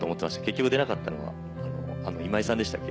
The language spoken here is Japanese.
結局出なかったのは今井さんでしたっけ？